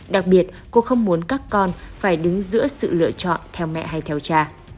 đặc biệt cô không muốn các con phải đứng giữa sự lựa chọn theo mẹ hay theo cha